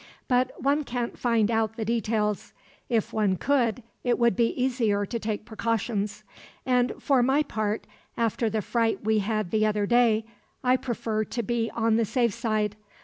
But one can't find out the details; if one could it would be easier to take precautions. And for my part, after the fright we had the other day, I prefer to be on the safe side.